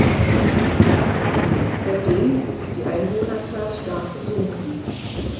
Seitdem ist die Einwohnerzahl stark gesunken.